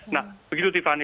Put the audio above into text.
nah begitu tiffany